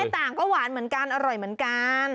ต่างก็หวานเหมือนกันอร่อยเหมือนกัน